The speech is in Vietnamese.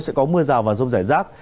sẽ có mưa rào và rông rải rác